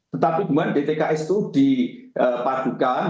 tetapi duluan dtks itu dipadukan